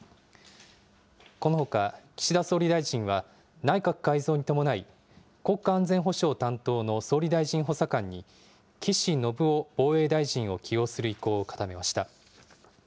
このほか、岸田総理大臣は、内閣改造に伴い、国家安全保障担当の総理大臣補佐官に、岸信夫防衛大臣を起用する意向を固めました。